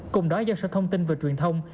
cùng đó do sở thông tin và truyền thông